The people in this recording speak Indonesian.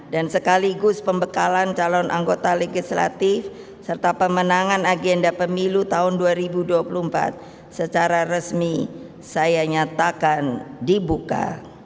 dan sekaligus pembekalan calon anggota legislatif serta pemenangan agenda pemilu tahun dua ribu dua puluh empat secara resmi saya nyatakan dibuka